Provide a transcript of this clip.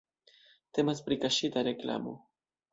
Temas pri kaŝita reklamo.